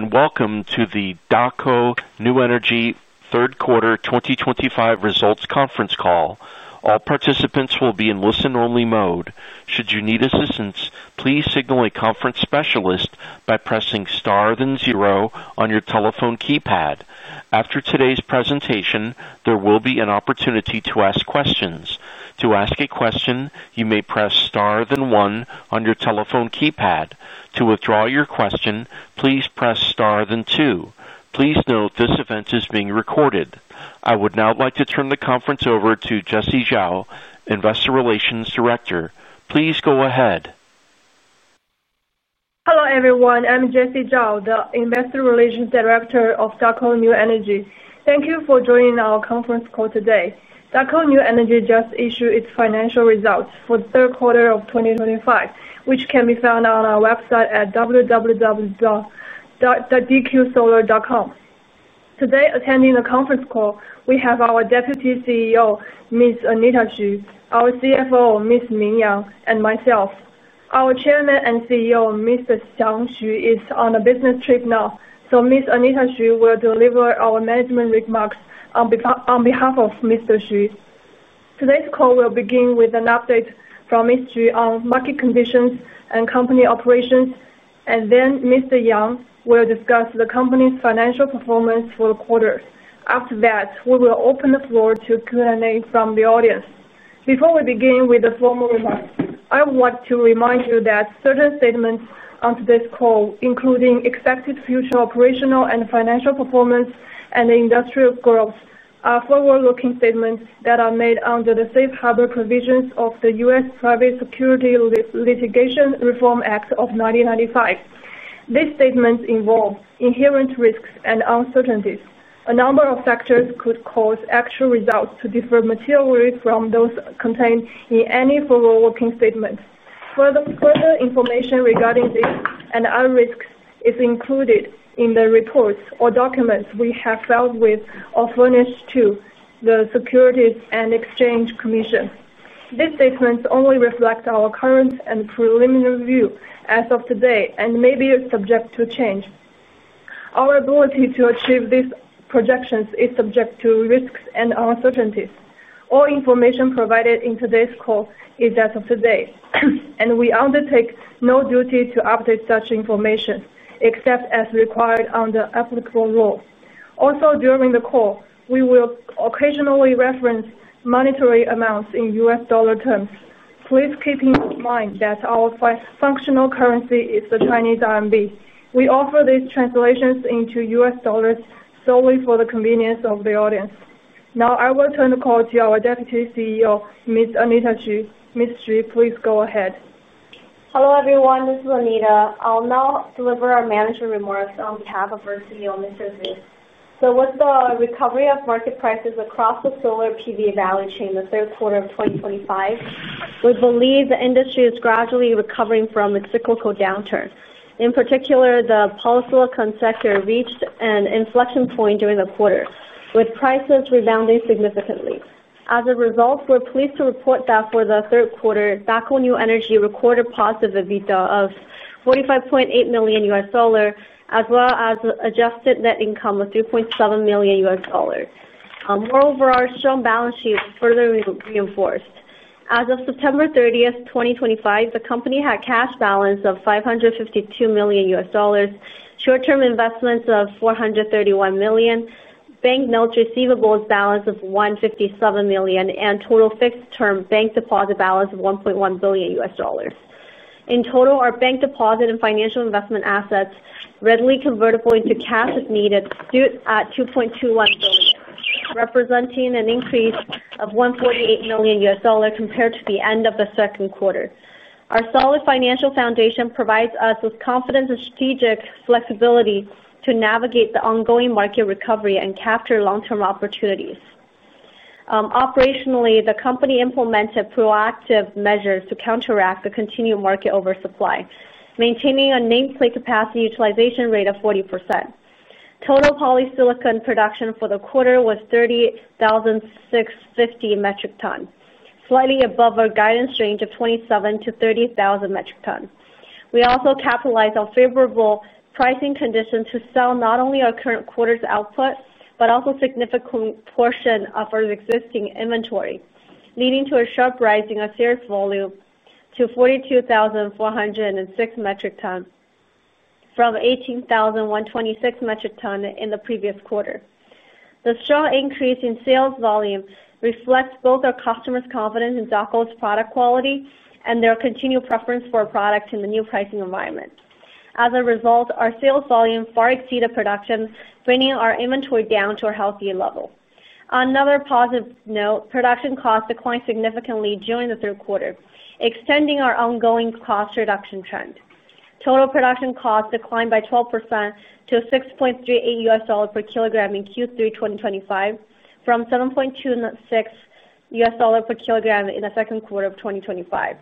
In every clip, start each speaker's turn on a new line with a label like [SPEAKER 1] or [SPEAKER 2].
[SPEAKER 1] Hello, and welcome to the Daqo New Energy Q3 2025 results conference call. All participants will be in listen-only mode. Should you need assistance, please signal a conference specialist by pressing star zero on your telephone keypad. After today's presentation, there will be an opportunity to ask questions. To ask a question, you may press star one on your telephone keypad. To withdraw your question, please press star two. Please note this event is being recorded. I would now like to turn the conference over to Jessie Zhao, Investor Relations Director. Please go ahead.
[SPEAKER 2] Hello, everyone. I'm Jessie Zhao, the Investor Relations Director of Daqo New Energy. Thank you for joining our conference call today. Daqo New Energy just issued its financial results for the third quarter of 2025, which can be found on our website at www.dqsolar.com. Today, attending the conference call, we have our Deputy CEO, Anita Zhu, our CFO, Ming Yang, and myself. Our Chairman and CEO, Xiang Xu, is on a business trip now, so Anita Zhu will deliver our management remarks on behalf of Xu. Today's call will begin with an update from Xu on market conditions and company operations, and then Yang will discuss the company's financial performance for the quarter. After that, we will open the floor to Q&A from the audience. Before we begin with the formal remarks, I want to remind you that certain statements on today's call, including expected future operational and financial performance and industrial growth, are forward-looking statements that are made under the safe harbor provisions of the US Private Securities Litigation Reform Act of 1995. These statements involve inherent risks and uncertainties. A number of factors could cause actual results to differ materially from those contained in any forward-looking statement. Further information regarding these and other risks is included in the reports or documents we have filed with or furnished to the Securities and Exchange Commission. These statements only reflect our current and preliminary view as of today and may be subject to change. Our ability to achieve these projections is Subject to risks and uncertainties. All information provided in today's call is as of today, and we undertake no duty to update such information except as required under applicable law. Also, during the call, we will occasionally reference monetary amounts in US dollar terms. Please keep in mind that our functional currency is the Chinese RMB. We offer these translations into US dollars solely for the convenience of the audience. Now, I will turn the call to our Deputy CEO, Anita Zhu. Zhu, please go ahead.
[SPEAKER 3] Hello, everyone. This is Anita. I'll now deliver our management remarks on behalf of our CEO, Xu. With the recovery of market prices across the solar PV value chain in the third quarter of 2025, we believe the industry is gradually recovering from its cyclical downturn. In particular, the polysilicon sector reached an inflection point during the quarter, with prices rebounding significantly. As a result, we're pleased to report that for the third quarter, Daqo New Energy recorded positive EBITDA of $45.8 million, as well as adjusted net income of $3.7 million. Moreover, our strong balance sheet is further reinforced. As of September 30th, 2025, the company had a cash balance of $552 million, short-term investments of $431 million, bank notes receivables balance of $157 million, and total fixed-term bank deposit balance of $1.1 billion. In total, our bank deposit and financial investment assets readily convertible into cash if needed stood at $2.21 billion, representing an increase of $148 million compared to the end of the second quarter. Our solid financial foundation provides us with confidence and strategic flexibility to navigate the ongoing market recovery and capture long-term opportunities. Operationally, the company implemented proactive measures to counteract the continued market oversupply. Maintaining a nameplate capacity utilization rate of 40%, total polysilicon production for the quarter was 30,650 metric tons, slightly above our guidance range of 27,000-30,000 metric tons. We also capitalized on favorable pricing conditions to sell not only our current quarter's output but also a significant portion of our existing inventory, leading to a sharp rise of sales volume to 42,406 metric tons from 18,126 metric tons in the previous quarter. The strong increase in sales volume reflects both our customers' confidence in Daqo's product quality and their continued preference for our product in the new pricing environment. As a result, our sales volume far exceeded production, bringing our inventory down to a healthy level. On another positive note, production costs declined significantly during the third quarter, extending our ongoing cost reduction trend. Total production costs declined by 12% to $6.38 per kilogram in Q3 2025, from $7.26 per kilogram in the second quarter of 2025.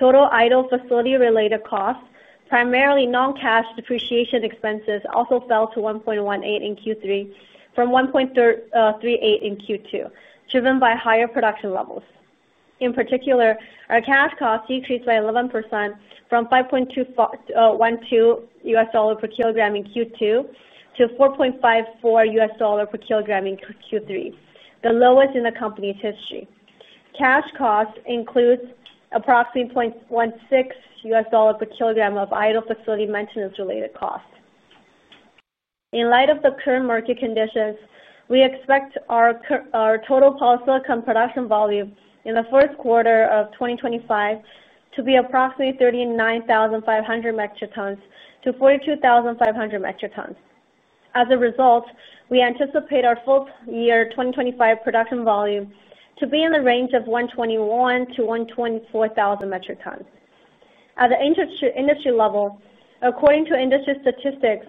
[SPEAKER 3] Total idle facility-related costs, primarily non-cash depreciation expenses, also fell to $1.18 in Q3 from $1.38 in Q2, driven by higher production levels. In particular, our cash costs decreased by 11% from $5.212 per kilogram in Q2 to $4.54 per kilogram in Q3, the lowest in the company's history. Cash costs include approximately $0.16 per kilogram of idle facility maintenance-related costs. In light of the current market conditions, we expect our total polysilicon production volume in the first quarter of 2025 to be approximately 39,500 metric tons-42,500 metric tons. As a result, we anticipate our full-year 2025 production volume to be in the range of 121,000-124,000 metric tons. At the industry level, according to industry statistics,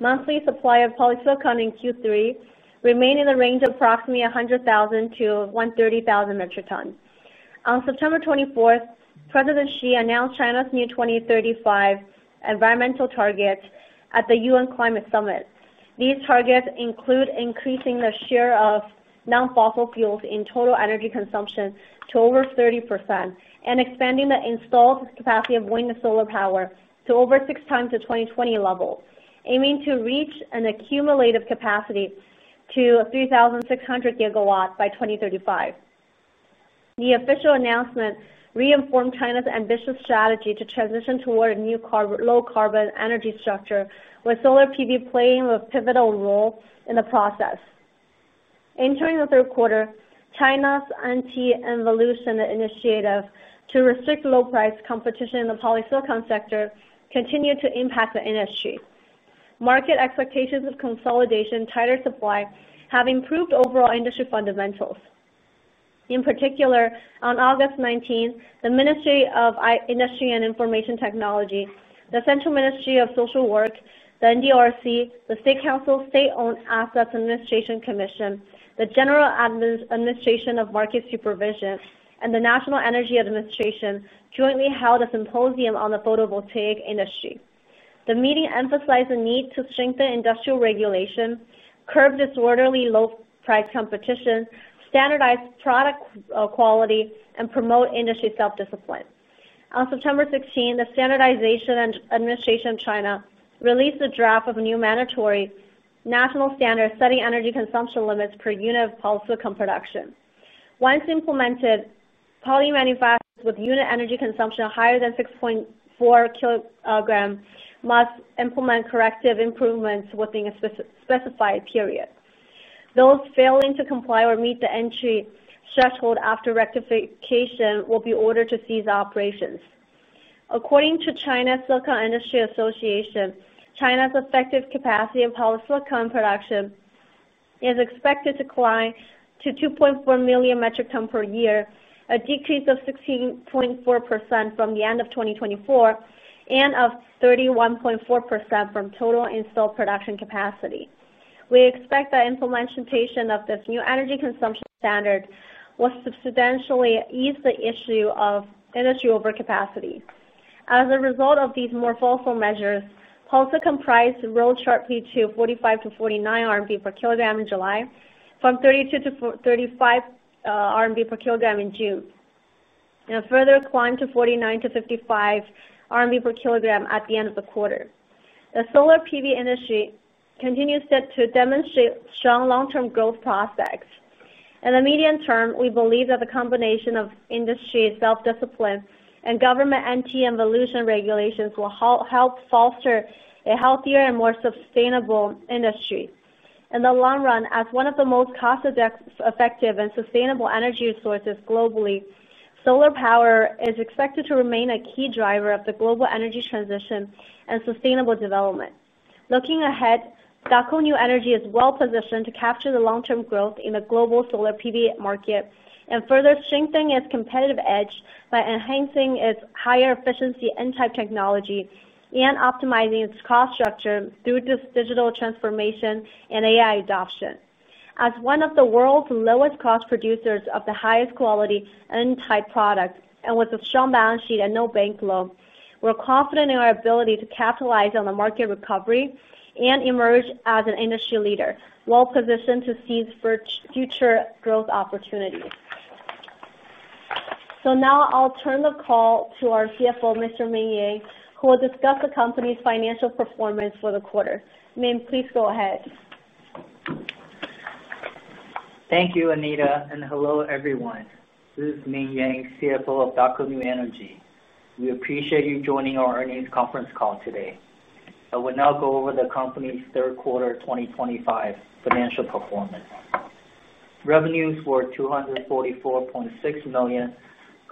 [SPEAKER 3] monthly supply of polysilicon in Q3 remained in the range of approximately 100,000-130,000 metric tons. On September 24, President Xi Jinping announced China's new 2035 environmental targets at the UN Climate Summit. These targets include increasing the share of non-fossil fuels in total energy consumption to over 30% and expanding the installed capacity of wind and solar power to over six x the 2020 level, aiming to reach an accumulative capacity to 3,600 GW by 2035. The official announcement reinformed China's ambitious strategy to transition toward a new low-carbon energy structure, with solar PV playing a pivotal role in the process. Entering the third quarter, China's anti-involution initiative to restrict low-price competition in the polysilicon sector continued to impact the industry. Market expectations of consolidation and tighter supply have improved overall industry fundamentals. In particular, on August 19, the Ministry of Industry and Information Technology, the Central Ministry of Social Work, the NDRC, the State Council's State-Owned Assets Administration Commission, the General Administration of Market Supervision, and the National Energy Administration jointly held a symposium on the photovoltaic industry. The meeting emphasized the need to strengthen industrial regulation, curb disorderly low-price competition, standardize product quality, and promote industry self-discipline. On September 16, the Standardization Administration of China released a draft of a new mandatory national standard setting energy consumption limits per unit of polysilicon production. Once implemented, polysilicon manufacturers with unit energy consumption higher than 6.4 kg must implement corrective improvements within a specified period. Those failing to comply or meet the entry threshold after rectification will be ordered to cease operations. According to China's Silicon Industry Association, China's effective capacity in polysilicon production is expected to climb to 2.4 million metric tons per year, a decrease of 16.4% from the end of 2024 and of 31.4% from total installed production capacity. We expect that implementation of this new energy consumption standard will substantially ease the issue of energy overcapacity. As a result of these more forceful measures, polysilicon prices rose sharply to 45-49 RMB per kilograme in July, from 32-35 RMB per kilogram in June, and a further climb to 49-55 RMB per kilogram at the end of the quarter. The solar PV industry continues to demonstrate strong long-term growth prospects. In the medium term, we believe that the combination of industry self-discipline and government anti-involution regulations will help foster a healthier and more sustainable industry. In the long run, as one of the most cost-effective and sustainable energy sources globally, solar power is expected to remain a key driver of the global energy transition and sustainable development. Looking ahead, Daqo New Energy is well-positioned to capture the long-term growth in the global solar PV market and further strengthen its competitive edge by enhancing its higher efficiency N-type technology and optimizing its cost structure through this digital transformation and AI adoption. As one of the world's lowest-cost producers of the highest-quality N-type product and with a strong balance sheet and no bank loan, we're confident in our ability to capitalize on the market recovery and emerge as an industry leader, well-positioned to seize future growth opportunities. I'll turn the call to our CFO, Mr. Ming Yang, who will discuss the company's financial performance for the quarter. Ming, please go ahead.
[SPEAKER 4] Thank you, Anita, and hello, everyone. This is Ming Yang, CFO of Daqo New Energy. We appreciate you joining our earnings conference call today. I will now go over the company's third quarter of 2025 financial performance. Revenues were $244.6 million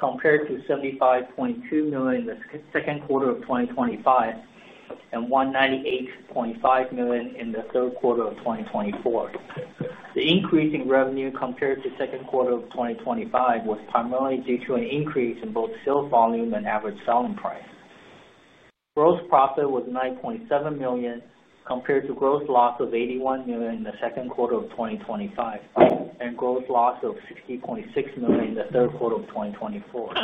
[SPEAKER 4] compared to $75.2 million in the second quarter of 2025 and $198.5 million in the third quarter of 2024. The increase in revenue compared to the second quarter of 2025 was primarily due to an increase in both sales volume and average selling price. Gross profit was $9.7 million compared to gross loss of $81 million in the second quarter of 2025 and gross loss of $60.6 million in the third quarter of 2024.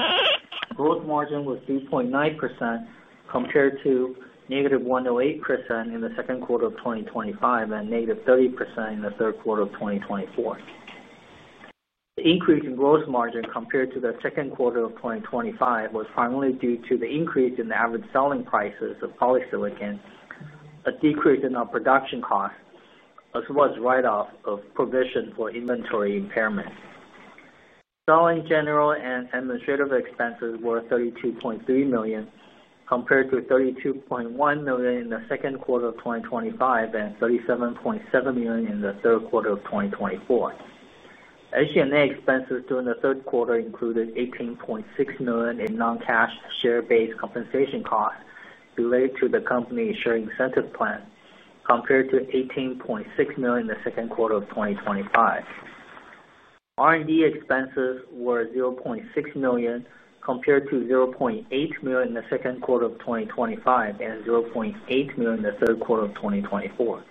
[SPEAKER 4] Gross margin was 3.9% compared to -108% in the second quarter of 2025 and negative 30% in the third quarter of 2024. The increase in gross margin compared to the second quarter of 2025 was primarily due to the increase in the average selling prices of polysilicon, a decrease in our production costs, as well as write-off of provision for inventory impairment. Selling, general and administrative expenses were $32.3 million compared to $32.1 million in the second quarter of 2025 and $37.7 million in the third quarter of 2024. SG&A expenses during the third quarter included $18.6 million in non-cash share-based compensation costs related to the company's share incentive plan, compared to $18.6 million in the second quarter of 2025. R&D expenses were $0.6 million compared to $0.8 million in the second quarter of 2025 and $0.8 million in the third quarter of 2024.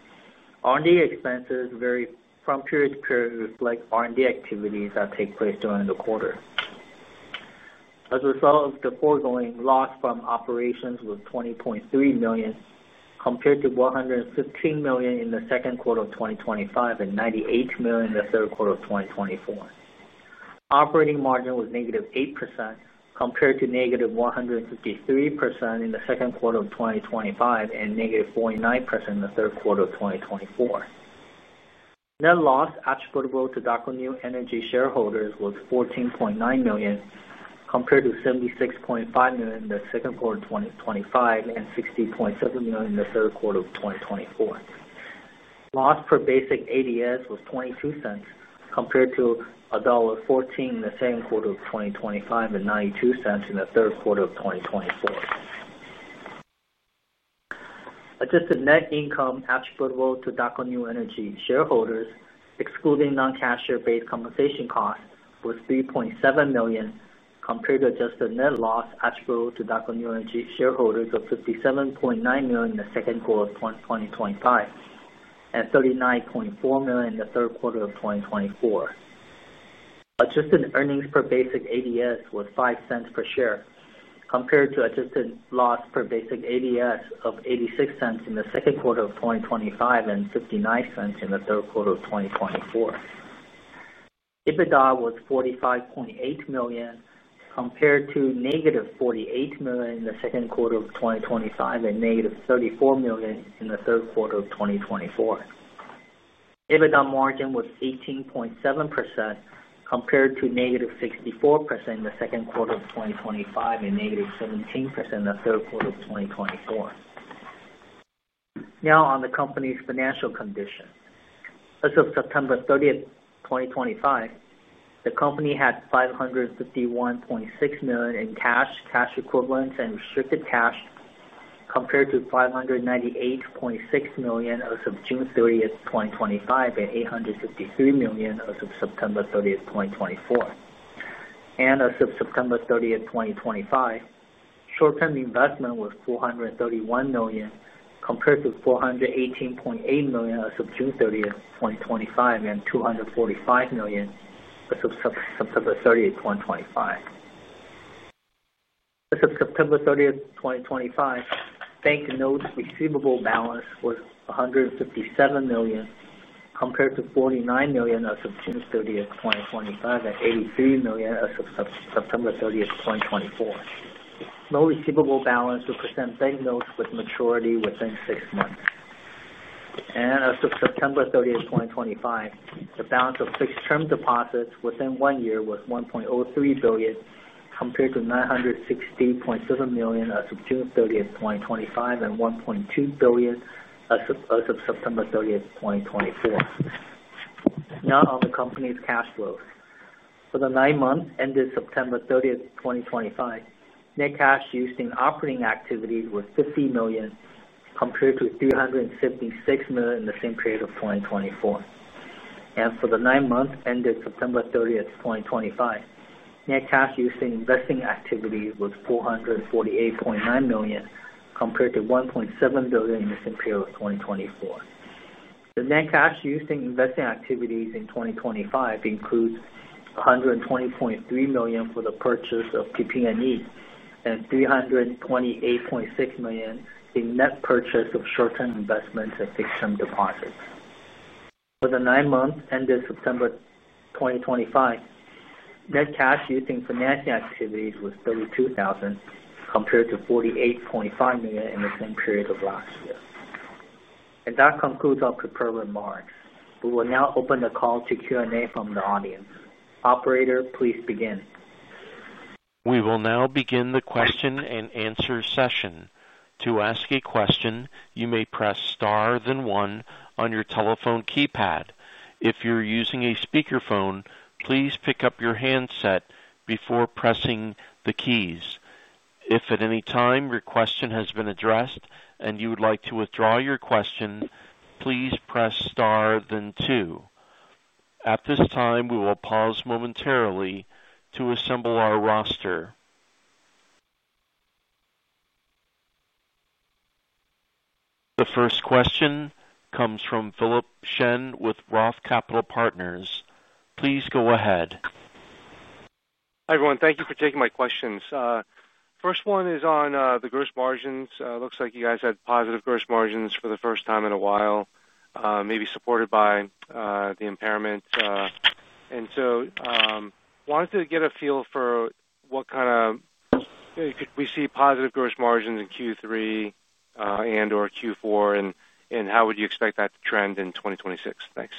[SPEAKER 4] R&D expenses vary from period to period and reflect R&D activities that take place during the quarter. As a result of the foregoing, loss from operations was $20.3 million compared to $115 million in the second quarter of 2025 and $98 million in the third quarter of 2024. Operating margin was -8% compared to -153% in the second quarter of 2025 and -49% in the third quarter of 2024. Net loss attributable to Daqo New Energy shareholders was $14.9 million compared to $76.5 million in the second quarter of 2025 and $60.7 million in the third quarter of 2024. Loss per basic ADS was $0.22 compared to $1.14 in the second quarter of 2025 and $0.92 in the third quarter of 2024. Adjusted net income attributable to Daqo New Energy shareholders, excluding non-cash share-based compensation costs, was $3.7 million compared to adjusted net loss attributable to Daqo New Energy shareholders of $57.9 million in the second quarter of 2025 and $39.4 million in the third quarter of 2024. Adjusted earnings per basic ADS was $0.05 per share compared to adjusted loss per basic ADS of $0.86 in the second quarter of 2025 and $0.59 in the third quarter of 2024. EBITDA was $45.8 million compared to negative $48 million in the second quarter of 2025 and -$34 million in the third quarter of 2024. EBITDA margin was 18.7% compared to -64% in the second quarter of 2025 and -17% in the third quarter of 2024. Now, on the company's financial condition. As of September 30th, 2025, the company had $551.6 million in cash, cash equivalents, and restricted cash compared to $598.6 million as of June 30th, 2025, and $853 million as of September 30th, 2024. As of September 30th, 2025, short-term investment was $431 million compared to $418.8 million as of June 30th, 2025, and $245 million as of September 30th, 2024. As of September 30th, 2025, bank note receivable balance was $157 million compared to $49 million as of June 30th, 2025, and $83 million as of September 30th, 2024. No receivable balance to present bank notes with maturity within six months. As of September 30th, 2025, the balance of fixed-term deposits within one year was $1.03 billion compared to $960.7 million as of June 30th, 2025, and $1.2 billion as of September 30th, 2024. Now, on the company's cash flows. For the nine months ended September 30th, 2025, net cash used in operating activity was $50 million compared to $376 million in the same period of 2024. For the nine months ended September 30th, 2025, net cash used in investing activity was $448.9 million compared to $1.7 billion in the same period of 2024. The net cash used in investing activities in 2025 includes $120.3 million for the purchase of PP&E and $328.6 million in net purchase of short-term investments and fixed-term deposits. For the nine months ended September 2025, net cash used in financing activities was $32,000 compared to $48.5 million in the same period of last year. That concludes our prepared remarks. We will now open the call to Q&A from the audience. Operator, please begin.
[SPEAKER 1] We will now begin the question and answer session. To ask a question, you may press star one on your telephone keypad. If you're using a speakerphone, please pick up your handset before pressing the keys. If at any time your question has been addressed and you would like to withdraw your question, please press star two. At this time, we will pause momentarily to assemble our roster. The first question comes from Philip Shen with ROTH Capital Partners. Please go ahead.
[SPEAKER 5] Hi, everyone. Thank you for taking my questions. First one is on the gross margins. It looks like you guys had positive gross margins for the first time in a while, maybe supported by the impairment. I wanted to get a feel for what kind of, could we see positive gross margins in Q3 and/or Q4, and how would you expect that to trend in 2026? Thanks.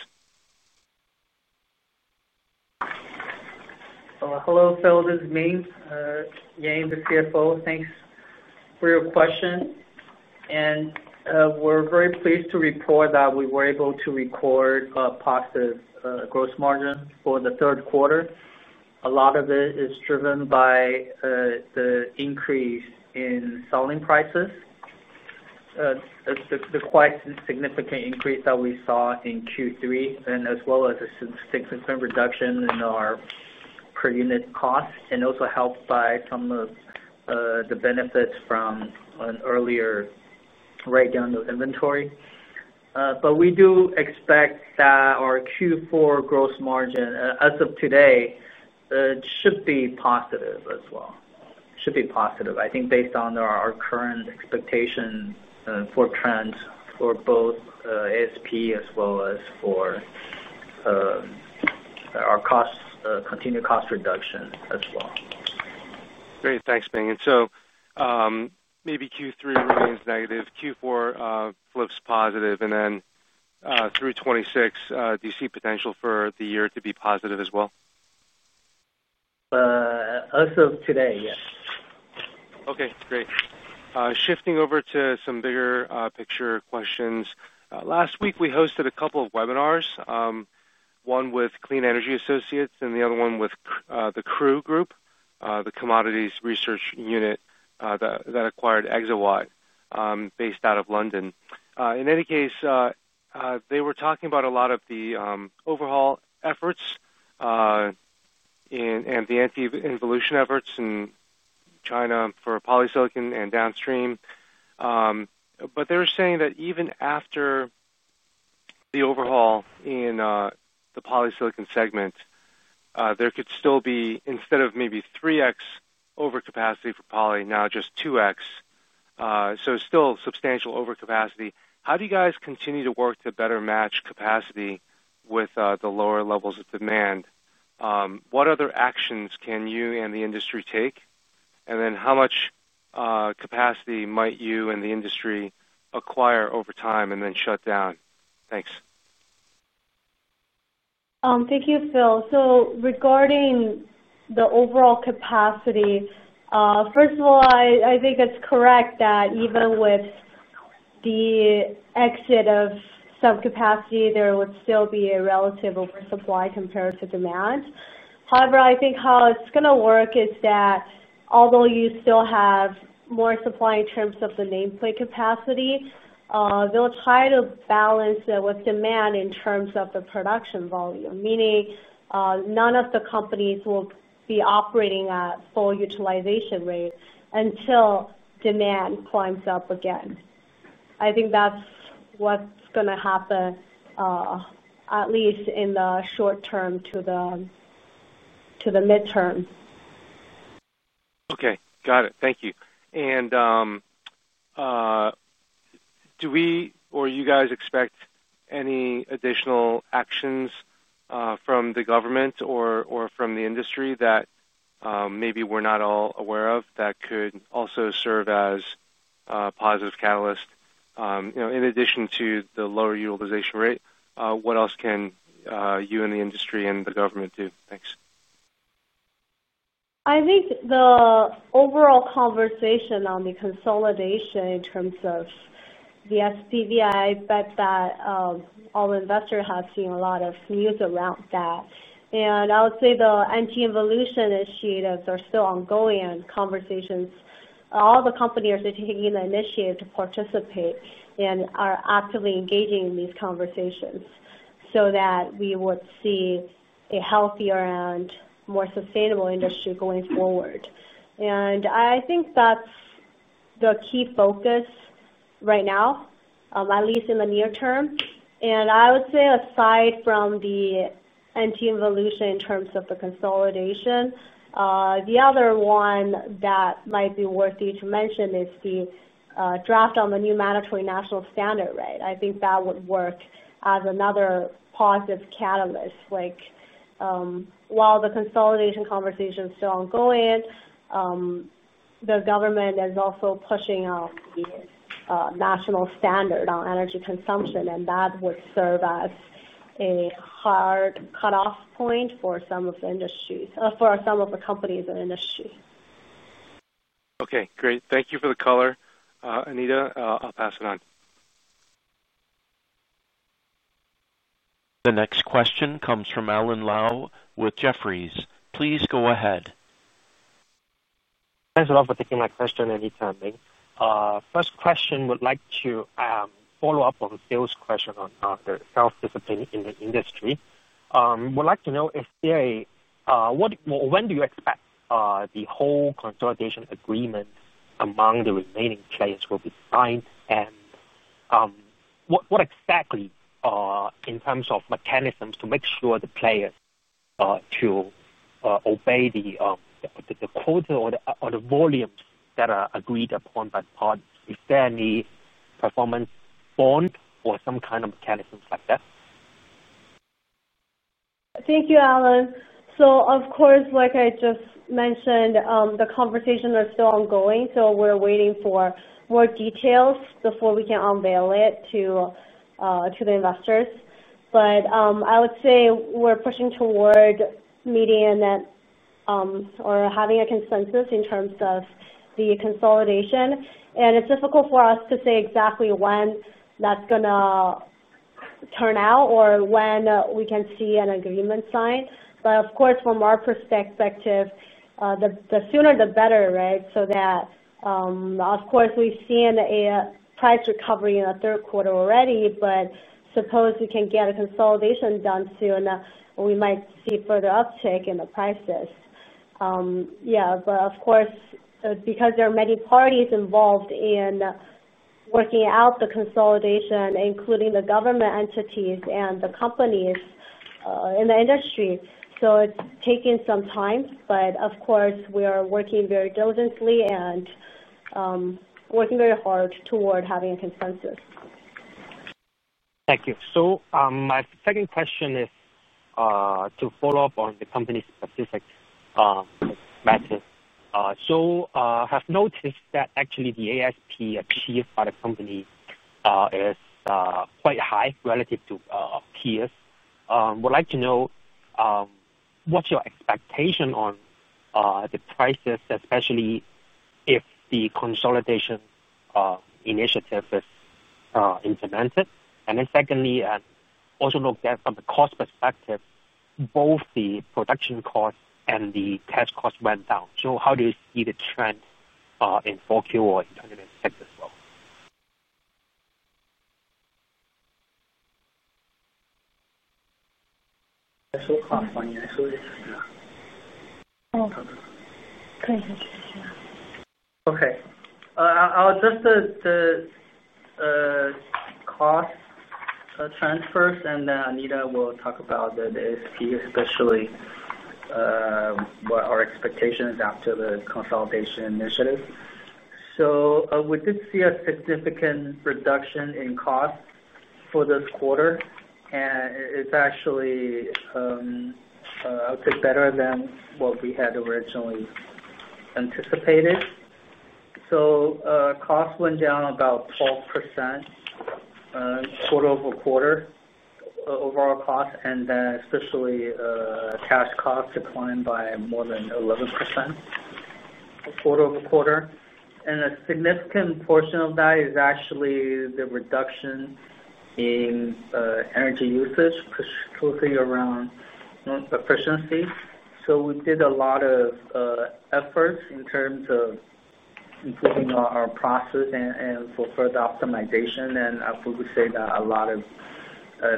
[SPEAKER 4] Hello, Phil. This is Ming Yang, the CFO. Thanks for your question. We're very pleased to report that we were able to record positive gross margins for the third quarter. A lot of it is driven by the increase in selling prices. It's the quite significant increase that we saw in Q3, as well as a significant reduction in our per unit cost, and also helped by some of the benefits from an earlier write-down of inventory. We do expect that our Q4 gross margin, as of today, should be positive as well. Should be positive, I think, based on our current expectation for trends for both ASP as well as for our costs, continued cost reduction as well.
[SPEAKER 5] Great. Thanks, Ming. Maybe Q3 remains negative, Q4 flips positive, and then, through 2026, do you see potential for the year to be positive as well?
[SPEAKER 4] As of today, yes.
[SPEAKER 5] Okay. Great. Shifting over to some bigger picture questions. Last week, we hosted a couple of webinars, one with Clean Energy Associates and the other one with the CREW Group, the Commodities Research Unit, that acquired ExaWatt, based out of London. In any case, they were talking about a lot of the overhaul efforts and the anti-involution initiatives in China for polysilicon and downstream. They were saying that even after the overhaul in the polysilicon segment, there could still be, instead of maybe 3X overcapacity for poly, now just 2X. It's still substantial overcapacity. How do you guys continue to work to better match capacity with the lower levels of demand? What other actions can you and the industry take? How much capacity might you and the industry acquire over time and then shut down? Thanks.
[SPEAKER 6] Thank you, Philip. Regarding the overall capacity, first of all, I think it's correct that even with the exit of some capacity, there would still be a relative oversupply compared to demand. However, I think how it's going to work is that although you still have more supply in terms of the nameplate capacity, they'll try to balance it with demand in terms of the production volume, meaning none of the companies will be operating at full utilization rate until demand climbs up again. I think that's what's going to happen, at least in the short term to the mid term.
[SPEAKER 5] Okay. Got it. Thank you. Do you or you guys expect any additional actions from the government or from the industry that maybe we're not all aware of that could also serve as a positive catalyst, in addition to the lower utilization rate? What else can you and the industry and the government do? Thanks.
[SPEAKER 6] I think the overall conversation on the consolidation in terms of the SPVI effect, all the investors have seen a lot of news around that. I would say the anti-involution initiatives are still ongoing and conversations. All the companies are taking the initiative to participate and are actively engaging in these conversations so that we would see a healthier and more sustainable industry going forward. I think that's the key focus right now, at least in the near term. I would say aside from the anti-involution in terms of the consolidation, the other one that might be worthy to mention is the draft on the new mandatory national standard rate. I think that would work as another positive catalyst. While the consolidation conversation is still ongoing, the government is also pushing out the national standard on energy consumption, and that would serve as a hard cutoff point for some of the companies and industries.
[SPEAKER 5] Okay. Great. Thank you for the color. Anita, I'll pass it on.
[SPEAKER 1] The next question comes from Alan Hon with Jefferies. Please go ahead.
[SPEAKER 7] Thanks a lot for taking my question and attending. First question, I would like to follow up on Philip's question on the self-discipline in the industry. I would like to know when do you expect the whole consolidation agreement among the remaining players will be signed? What exactly, in terms of mechanisms, to make sure the players obey the quota or the volumes that are agreed upon by the parties? Is there any performance bond or some kind of mechanisms like that?
[SPEAKER 6] Thank you, Alan. Like I just mentioned, the conversation is still ongoing, so we're waiting for more details before we can unveil it to the investors. I would say we're pushing toward meeting an end, or having a consensus in terms of the consolidation. It's difficult for us to say exactly when that's going to turn out or when we can see an agreement signed. From our perspective, the sooner the better, right? We've seen a price recovery in the third quarter already. Suppose we can get a consolidation done soon, we might see further uptick in the prices. There are many parties involved in working out the consolidation, including the government entities and the companies in the industry, so it's taking some time. We are working very diligently and working very hard toward having a consensus.
[SPEAKER 7] Thank you. My second question is to follow up on the company-specific matter. I have noticed that actually the ASP achieved by the company is quite high relative to peers. I would like to know what's your expectation on the prices, especially if the consolidation initiative is implemented. Secondly, also look at it from the cost perspective, both the production cost and the cash cost went down. How do you see the trend in 4Q or in the sector as well?
[SPEAKER 4] Okay. I'll address the cost transfers, and then Anita will talk about the ASP, especially what our expectation is after the consolidation initiative. We did see a significant reduction in cost for this quarter, and it's actually, I would say, better than what we had originally anticipated. Costs went down about 12% quarter-over-quarter, overall cost, and then especially, cash cost declined by more than 11% quarter-over-quarter. A significant portion of that is actually the reduction in energy usage, particularly around efficiency. We did a lot of efforts in terms of improving our process and for further optimization. I would say that a lot of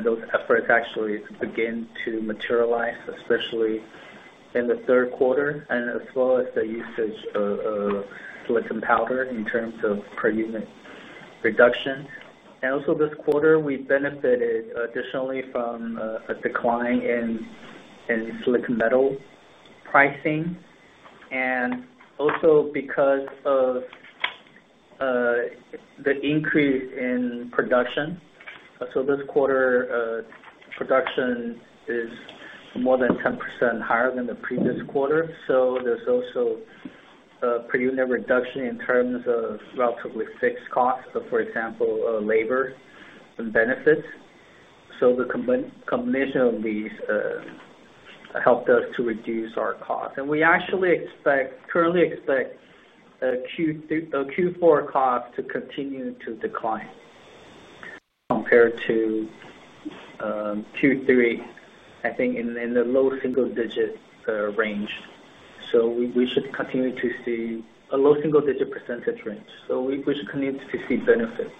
[SPEAKER 4] those efforts actually began to materialize, especially in the third quarter, as well as the usage of silicon powder in terms of per unit reduction. Also, this quarter, we benefited additionally from a decline in silicon metal pricing, and also because of the increase in production. This quarter, production is more than 10% higher than the previous quarter. There's also a per unit reduction in terms of relatively fixed costs, for example, labor and benefits. The combination of these helped us to reduce our costs. We actually expect, currently expect, Q4 costs to continue to decline compared to Q3, I think in the low single-digit range. We should continue to see a low single-digit percentage range. We should continue to see benefit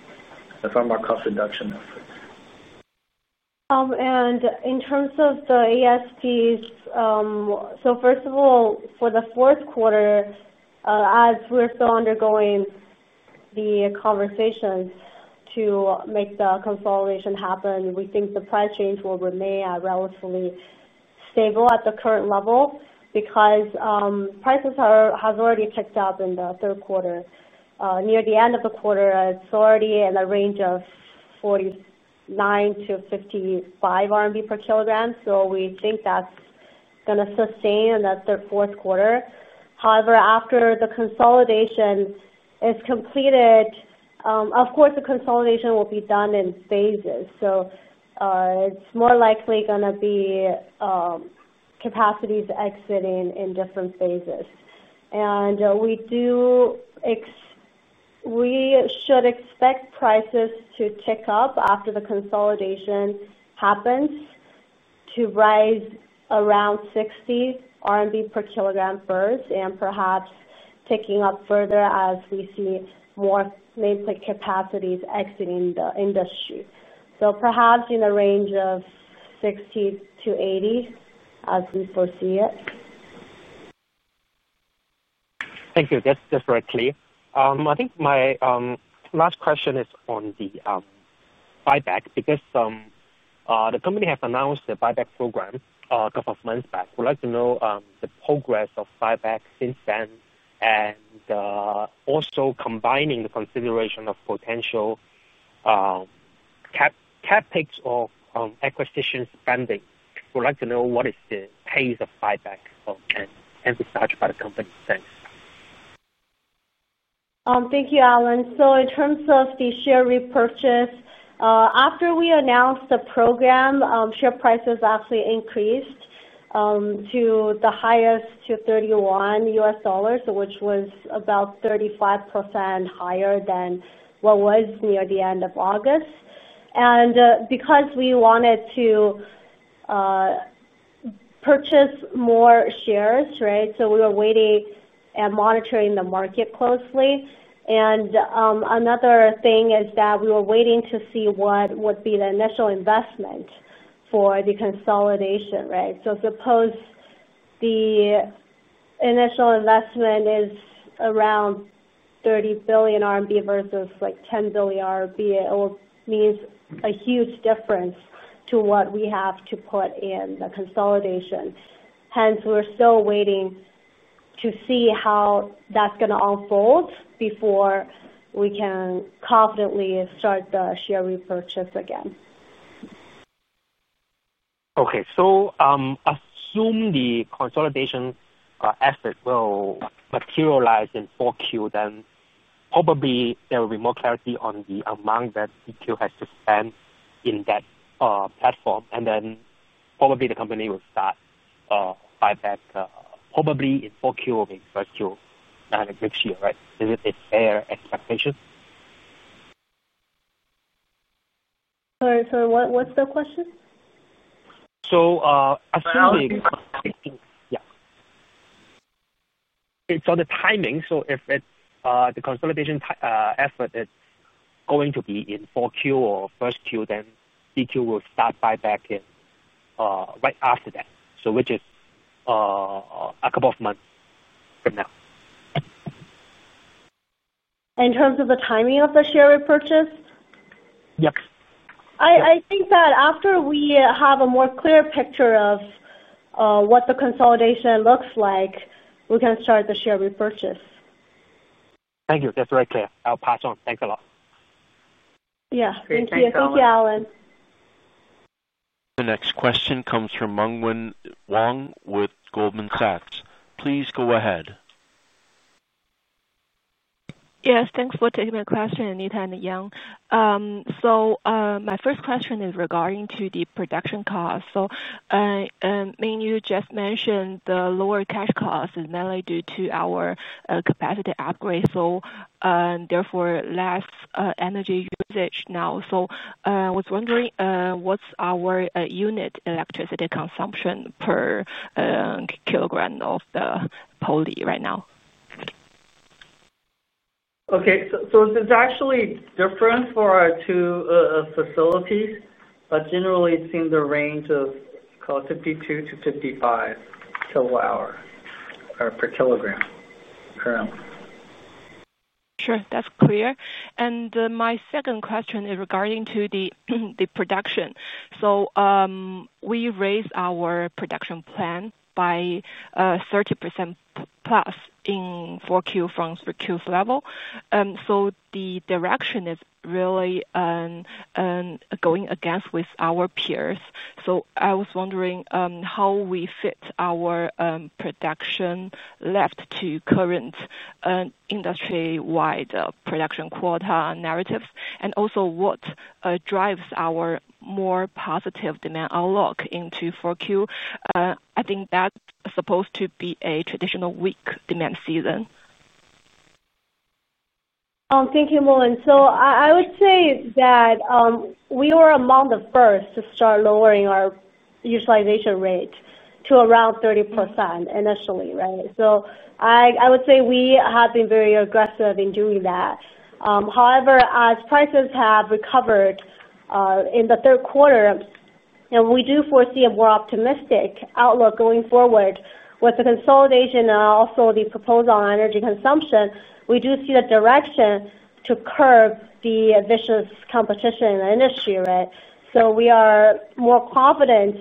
[SPEAKER 4] from our cost reduction efforts.
[SPEAKER 6] In terms of the ASPs, for the fourth quarter, as we're still undergoing the conversations to make the consolidation happen, we think the price change will remain relatively stable at the current level because prices have already picked up in the third quarter. Near the end of the quarter, it's already in the range of 49-55 RMB per kilogram, so we think that's going to sustain in the third, fourth quarter. However, after the consolidation is completed, the consolidation will be done in phases. It's more likely going to be capacities exiting in different phases. We should expect prices to tick up after the consolidation happens to rise around 60 RMB per kilogram first and perhaps ticking up further as we see more nameplate capacities exiting the industry, so perhaps in the range of 60-80 as we foresee it.
[SPEAKER 7] Thank you. That's very clear. I think my last question is on the buyback because the company has announced the share buyback program a couple of months back. We'd like to know the progress of buyback since then and also, combining the consideration of potential CapEx or acquisition spending, we'd like to know what is the pace of buyback, and emphasized by the company?. Thanks.
[SPEAKER 6] Thank you, Alan. In terms of the share repurchase, after we announced the program, share prices actually increased to the highest, to $31, which was about 35% higher than what was near the end of August. Because we wanted to purchase more shares, we were waiting and monitoring the market closely. Another thing is that we were waiting to see what would be the initial investment for the consolidation. Suppose the initial investment is around 30 billion RMB versus like 10 billion RMB, it means a huge difference to what we have to put in the consolidation. Hence, we're still waiting to see how that's going to unfold before we can confidently start the share repurchase again.
[SPEAKER 7] Okay. Assume the consolidation asset will materialize in 4Q, then probably there will be more clarity on the amount that Daqo New Energy has to spend in that platform. Then probably the company will start buyback, probably in 4Q or in 1st Q next year, right? Is it a fair expectation?
[SPEAKER 6] Sorry, what's the question?
[SPEAKER 7] Assuming the timing, if the consolidation type effort is going to be in 4Q or first Q, then PQ will start buyback right after that, which is a couple of months from now.
[SPEAKER 6] In terms of the timing of the share repurchase?
[SPEAKER 7] Yes.
[SPEAKER 6] I think that after we have a more clear picture of what the consolidation looks like, we can start the share repurchase.
[SPEAKER 7] Thank you. That's very clear. I'll pass on. Thanks a lot.
[SPEAKER 6] Thank you. Thank you, Alan.
[SPEAKER 1] The next question comes from Ming Wang with Goldman Sachs. Please go ahead.
[SPEAKER 8] Yes. Thanks for taking my question, Anita and Yang. My first question is regarding the production costs. Ming, you just mentioned the lower cash cost is mainly due to our capacity upgrade, therefore, less energy usage now. I was wondering, what's our unit electricity consumption per kilogram of the poly right now?
[SPEAKER 4] Okay. It's actually different for our two facilities, but generally, it's in the range of, call it 52 to 55 kWh per kilogram currently.
[SPEAKER 8] That's clear. My second question is regarding the production. We raised our production plan by 30% plus in 4Q from 3Q's level. The direction is really going against our peers. I was wondering how we fit our production left to current industry-wide production quota narratives, and also what drives our more positive demand outlook into 4?. I think that's supposed to be a traditional weak demand season.
[SPEAKER 6] Thank you, Ming. I would say that we were among the first to start lowering our utilization rate to around 30% initially, right? I would say we have been very aggressive in doing that. However, as prices have recovered in the third quarter, and we do foresee a more optimistic outlook going forward with the consolidation and also the proposal on energy consumption, we do see a direction to curb the vicious competition in the industry, right? We are more confident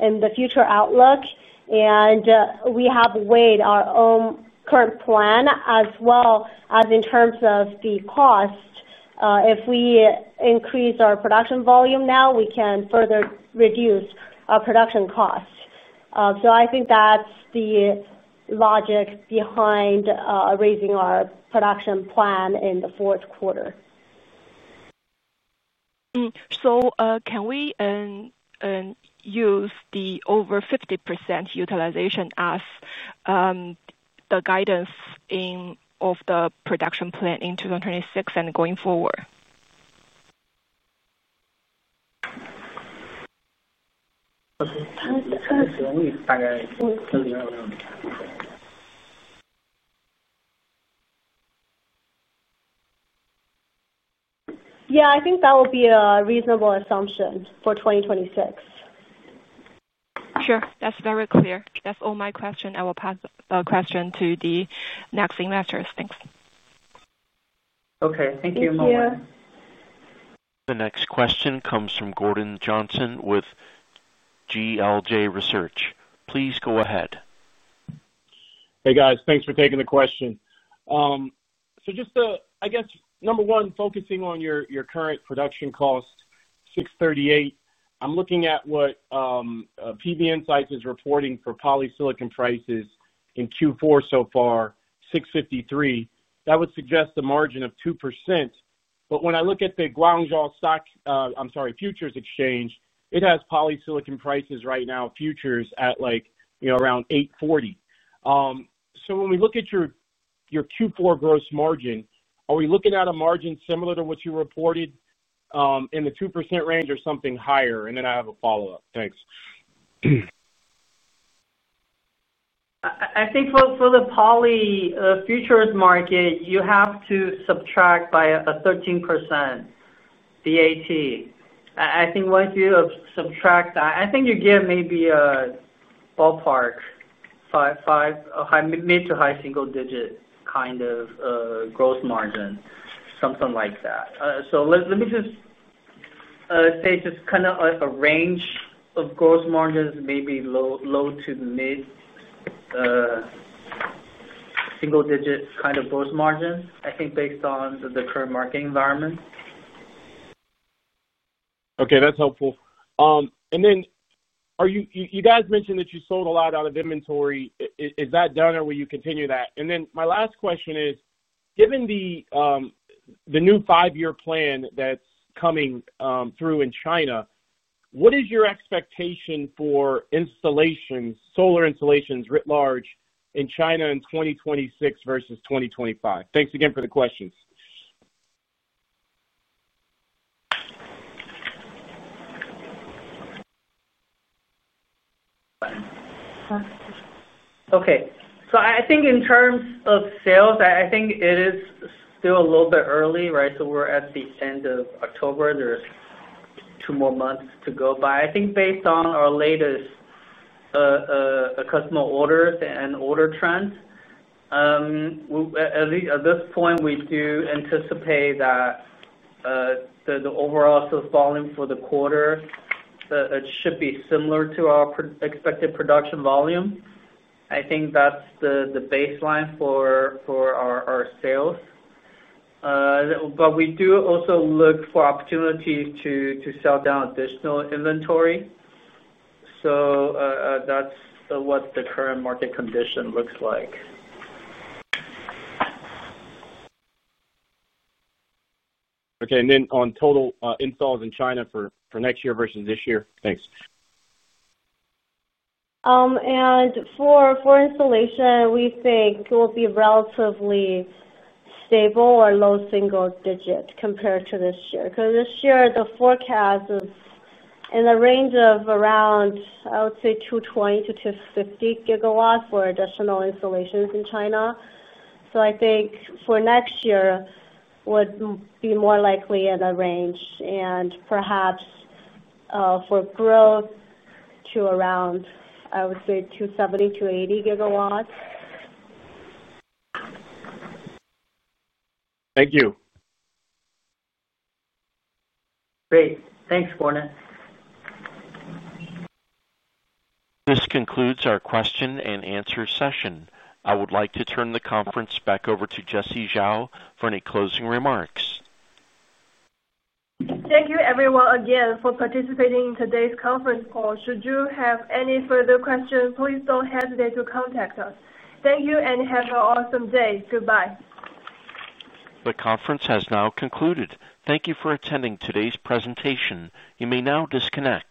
[SPEAKER 6] in the future outlook, and we have weighed our own current plan as well as in terms of the cost. If we increase our production volume now, we can further reduce our production costs. I think that's the logic behind raising our production plan in the fourth quarter.
[SPEAKER 8] Can we use the over 50% utilization as the guidance in the production plan in 2026 and going forward?
[SPEAKER 6] Yeah, I think that would be a reasonable assumption for 2026.
[SPEAKER 8] Sure. That's very clear. That's all my question. I will pass the question to the next investors. Thanks.
[SPEAKER 1] Okay. Thank you, Ming.
[SPEAKER 6] Thank you.
[SPEAKER 1] The next question comes from Gordon Johnson with GLJ Research. Please go ahead.
[SPEAKER 9] Hey, guys. Thanks for taking the question. Just to, I guess, number one, focusing on your current production cost, $638. I'm looking at what PV Insights is reporting for polysilicon prices in Q4 so far, $653. That would suggest a margin of 2%. When I look at the Guangzhou Futures Exchange, it has polysilicon prices right now, futures at, you know, around $840. When we look at your Q4 gross margin, are we looking at a margin similar to what you reported, in the 2% range or something higher? I have a follow-up. Thanks.
[SPEAKER 4] I think for the poly futures market, you have to subtract by a 13% VAT. I think once you subtract that, you get maybe a ballpark, five, five, a high mid to high single-digit kind of gross margin, something like that. Let me just say just kind of a range of gross margins, maybe low to mid single-digit kind of gross margin, I think, based on the current market environment.
[SPEAKER 9] Okay, that's helpful. You guys mentioned that you sold a lot out of inventory. Is that done, or will you continue that? My last question is, given the new five-year plan that's coming through in China, what is your expectation for solar installations writ large in China in 2026 versus 2025? Thanks again for the questions.
[SPEAKER 4] Okay. I think in terms of sales, it is still a little bit early, right? We're at the end of October. There are two more months to go by. I think based on our latest customer orders and order trends, we, at least at this point, do anticipate that the overall sales volume for the quarter should be similar to our expected production volume. I think that's the baseline for our sales. We do also look for opportunities to sell down additional inventory. That's what the current market condition looks like.
[SPEAKER 9] Okay. On total installs in China for next year versus this year, thanks.
[SPEAKER 6] For installation, we think it will be relatively stable or low single-digit compared to this year because this year, the forecast is in the range of around, I would say, 220 to 250 gigawatts for additional installations in China. I think for next year, it would be more likely in that range, and perhaps for growth to around, I would say, 270 to 280 GW.
[SPEAKER 9] Thank you.
[SPEAKER 4] Great. Thanks, Gordon.
[SPEAKER 1] This concludes our Q&A session. I would like to turn the conference back over to Jessie Zhao for any closing remarks.
[SPEAKER 2] Thank you, everyone, again for participating in today's conference call. Should you have any further questions, please don't hesitate to contact us. Thank you and have an awesome day. Goodbye.
[SPEAKER 1] The conference has now concluded. Thank you for attending today's presentation. You may now disconnect.